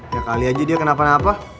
ya kali aja dia kenapa napa